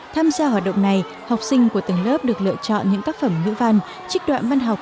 tham gia hoạt động này học sinh của từng lớp được lựa chọn những tác phẩm ngữ văn trích đoạn văn học